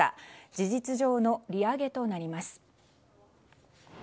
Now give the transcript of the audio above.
事実上の利上げとなります。